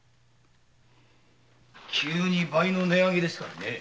急に倍の値上げですからね。